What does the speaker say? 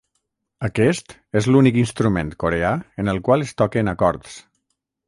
Aquest és l'únic instrument coreà en el qual es toquen acords.